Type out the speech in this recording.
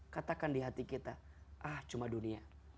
katakan di hati kita ah cuma dunia